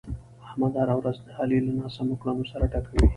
احمد هره ورځ د علي له ناسمو کړنو سر ټکوي.